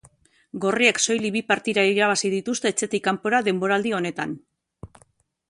Gorriek soilik bi partida irabazi dituzte etxetik kanpora denboraldi honetan.